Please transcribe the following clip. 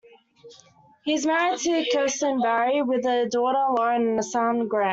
He is married to Kerstin Barry, with a daughter, Lauren and a son, Grant.